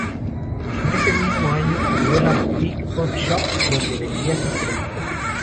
En ese mismo año, abrió la boutique "Pop Shop", donde vendía sus productos.